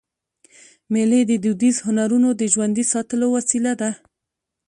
مېلې د دودیزو هنرونو د ژوندي ساتلو وسیله ده.